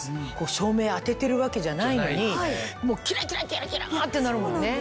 照明当ててるわけじゃないのにキラキラキラキラ！ってなるもんね。